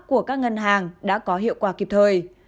của các ngân hàng đã có hiệu quả kịp thời